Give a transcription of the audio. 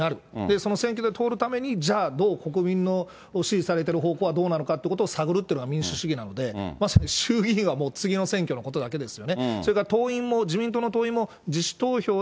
その選挙で通るために、じゃあどう国民の支持されてる方向はどうなのかということを探るというのが民主主義なので、まさに衆議院は次の選挙のことだけですよ。